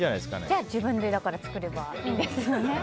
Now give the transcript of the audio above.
じゃあ自分で作ればいいんですよね。